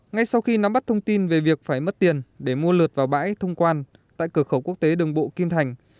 ngay sau khi nắm bắt thông tin về việc phải mất tiền để mua lượt vào bãi thông quan tại cửa khẩu quốc tế đường bộ kim thành